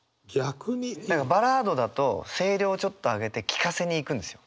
バラードだと声量をちょっと上げて聞かせにいくんですよ。